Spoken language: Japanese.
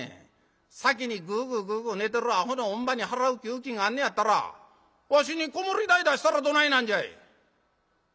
先にグーグーグーグー寝てるアホの乳母に払う給金があんねやったらわしに子守代出したらどないなんじゃい！」。